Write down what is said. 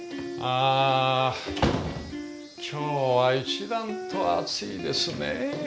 あ今日は一段と暑いですね。